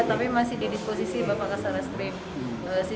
tapi masih di disposisi bapak kasarastrim